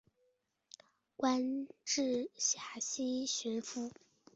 官至陕西巡抚。